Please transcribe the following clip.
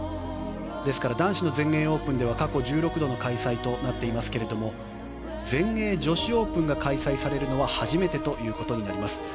ですから男子の全英オープンでは過去１６度の開催となっていますが全英女子オープンが開催されるのは初めてということになります。